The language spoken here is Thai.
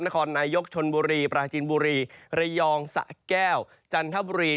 นครนายกชนบุรีปราจินบุรีระยองสะแก้วจันทบุรี